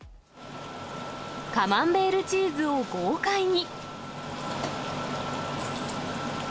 カマンベールチーズを豪快に。